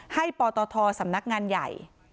ปตทสำนักงานใหญ่